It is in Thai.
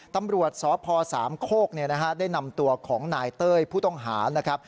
ตำรวจสพสามโคกได้นำตัวของนายเต้ยผู้ต้องหานะครับ